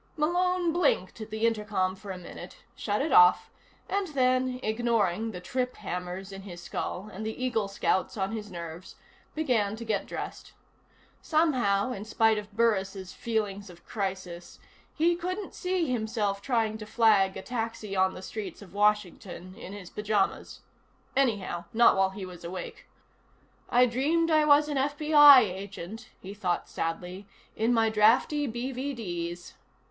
Malone blinked at the intercom for a minute, shut it off and then, ignoring the trip hammers in his skull and the Eagle Scouts on his nerves, began to get dressed. Somehow, in spite of Burris' feelings of crisis, he couldn't see himself trying to flag a taxi on the streets of Washington in his pyjamas. Anyhow, not while he was awake. I dreamed I was an FBI agent, he thought sadly, in my drafty BVDs.